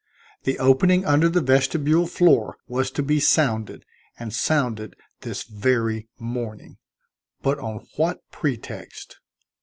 The opening under the vestibule floor was to be sounded, and sounded this very morning, but on what pretext?